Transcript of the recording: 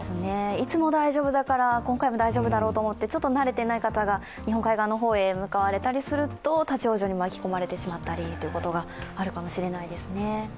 いつも大丈夫だから今回も大丈夫だろうと思ってちょっと慣れてない方が日本海側の方へ向かわれたりすると立往生に巻き込まれてしまったりということがあるかもしれないですね。